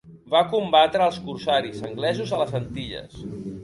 Va combatre als corsaris anglesos a les Antilles.